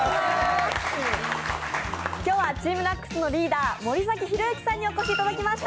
今日はＴＥＡＭＮＡＣＳのリーター森崎博之さんにお越しいただきました。